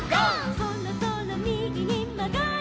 「そろそろみぎにまがります」